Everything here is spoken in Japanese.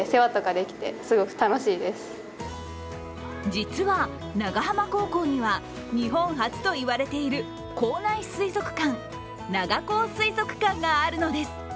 実は長浜高校には日本初といわれている校内水族館、長高水族館があるのです。